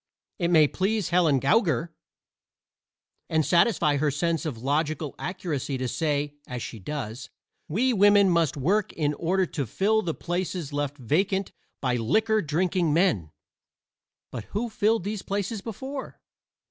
It may please Helen Gougar and satisfy her sense of logical accuracy to say, as she does: "We women must work in order to fill the places left vacant by liquor drinking men." But who filled these places before?